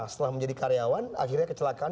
setelah menjadi karyawan akhirnya kecelakaan